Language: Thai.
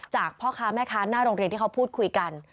พ่อค้าแม่ค้าหน้าโรงเรียนที่เขาพูดคุยกัน